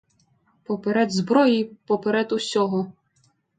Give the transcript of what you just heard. Поперед зброї, поперед усього!